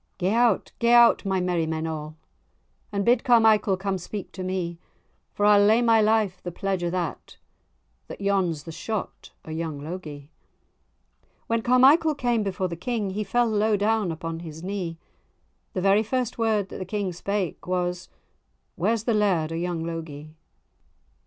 "Gae out, gae out, my merrymen a', And bid Carmichael come speak to me; For I'll lay my life the pledge o' that, That yon's the shot o' young Logie." When Carmichael came before the King, He fell low down upon his knee; The very first word that the King spake, Was—"Where's the laird of young Logie?"